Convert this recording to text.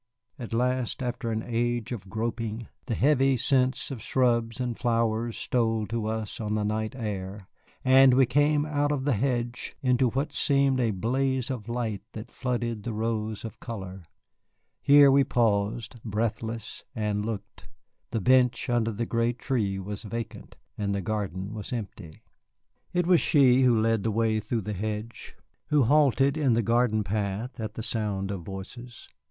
At last, after an age of groping, the heavy scents of shrubs and flowers stole to us on the night air, and we came out at the hedge into what seemed a blaze of light that flooded the rows of color. Here we paused, breathless, and looked. The bench under the great tree was vacant, and the garden was empty. It was she who led the way through the hedge, who halted in the garden path at the sound of voices.